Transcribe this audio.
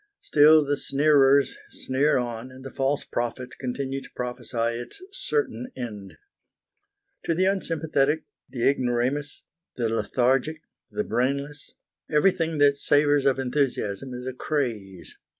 Still the sneerers sneer on, and the false prophets continue to prophesy its certain end. To the unsympathetic, the ignoramus, the lethargic, the brainless, everything that savours of enthusiasm is a craze.